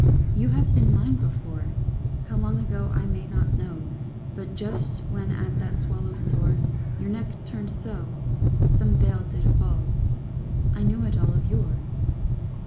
You have been mine before, — How long ago I may not know : But just when at that swallow's soar Your neck turned so, Some veil did fall, — I knew it all of yore.